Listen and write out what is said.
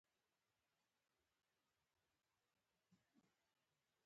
کمپکشن باید پینځه نوي فیصده وي